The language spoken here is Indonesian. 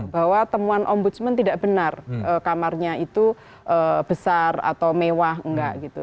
bahwa temuan ombudsman tidak benar kamarnya itu besar atau mewah enggak gitu